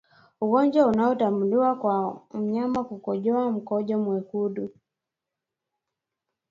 ugonjwa unaotambuliwa kwa mnyama kukojoa mkojo mwekundu